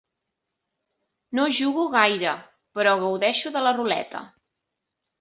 No jugo gaire, però gaudeixo de la ruleta.